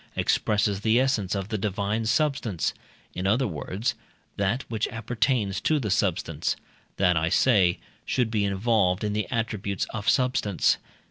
expresses the essence of the divine substance in other words, that which appertains to substance: that, I say, should be involved in the attributes of substance.